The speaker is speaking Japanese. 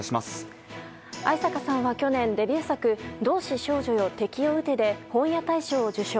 逢坂さんは去年、デビュー作「同志少女よ、敵を撃て」で本屋大賞を受賞。